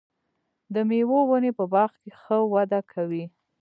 د مېوو ونې په باغ کې ښه وده کوي.